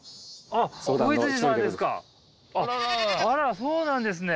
あらそうなんですね！